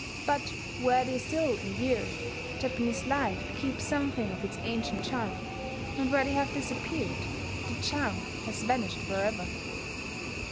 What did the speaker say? But where they still endure, Japanese life keeps something of its ancient charm; and where they have disappeared, that charm has vanished forever.